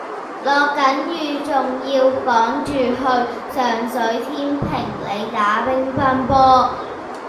落緊雨仲要趕住去上水天平里打乒乓波